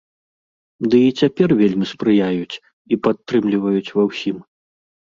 Ды і цяпер вельмі спрыяюць і падтрымліваюць ва ўсім.